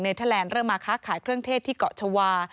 เทอร์แลนด์เริ่มมาค้าขายเครื่องเทศที่เกาะชาวา